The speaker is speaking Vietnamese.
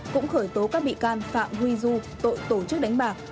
cũng khởi tố các bị can phạm huy du tội tổ chức đánh bạc